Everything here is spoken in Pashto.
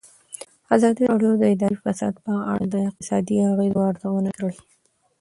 ازادي راډیو د اداري فساد په اړه د اقتصادي اغېزو ارزونه کړې.